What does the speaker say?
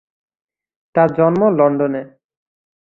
তার জন্ম লন্ডনে।